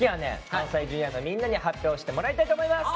関西Ｊｒ．のみんなに発表してもらいたいと思います。